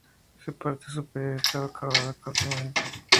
Su parte superior está acabada con cemento.